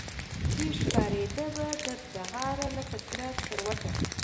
چي ښکاریده به ترسهاره لکه سره سکروټه